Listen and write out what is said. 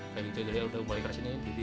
kayak gitu jadi udah mulai kerasinnya